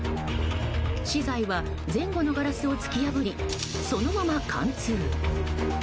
資材は前後のガラスを突き破りそのまま貫通。